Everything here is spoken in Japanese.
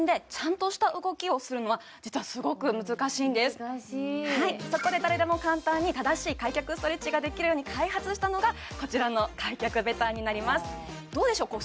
痛いね難しいはいそこで誰でも簡単に正しい開脚ストレッチができるように開発したのがこちらの開脚ベターになりますどうでしょう？